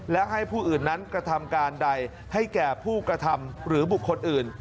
และให้ผู้อื่นนั้นกระทำการใดให้แก่ผู้กระทำหรือบุคคลอื่น